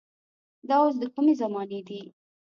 دا اوس د کومې زمانې دي.